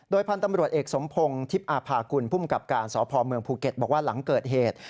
พันธุ์ตำรวจเอกสมพงศ์ทิพย์อาภากุลภูมิกับการสพเมืองภูเก็ตบอกว่าหลังเกิดเหตุ